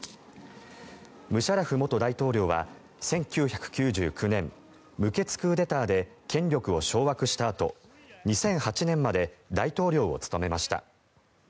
ムシャラフ元大統領は１９９９年無血クーデターで権力を掌握したあと２００８年まで大統領を務めました。